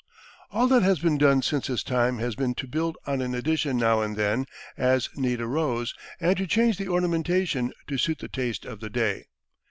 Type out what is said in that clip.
All that has been done since his time has been to build on an addition now and then, as need arose, and to change the ornamentation to suit the taste of the day.